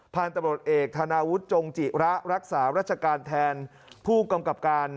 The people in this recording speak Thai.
ตำรวจเอกธนาวุฒิจงจิระรักษาราชการแทนผู้กำกับการ